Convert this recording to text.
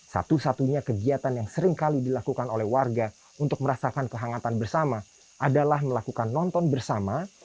satu satunya kegiatan yang seringkali dilakukan oleh warga untuk merasakan kehangatan bersama adalah melakukan nonton bersama